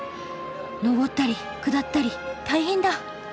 上ったり下ったり大変だ。